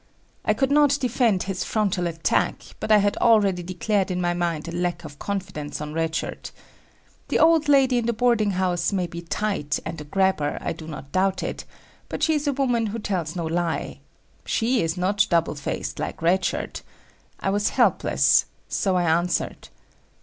I could not defend his frontal attack, but I had already declared in my mind a lack of confidence on Red Shirt. The old lady in the boarding house may be tight and a grabber, I do not doubt it, but she is a woman who tells no lie. She is not double faced like Red Shirt. I was helpless, so I answered.